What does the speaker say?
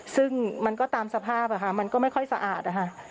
ซึ่งมันก็ตามสภาพมันก็ไม่ค่อยสะอาดนะคะ